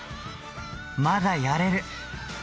まだやれる。